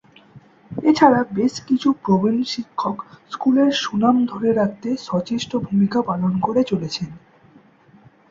এছাড়া বেশ কিছু প্রবীণ শিক্ষক স্কুলের সুনাম ধরে রাখতে সচেষ্ট ভূমিকা পালন করে চলেছেন।